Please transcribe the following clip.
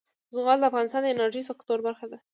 زغال د افغانستان د انرژۍ سکتور برخه ده.